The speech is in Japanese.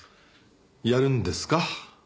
やるんですか？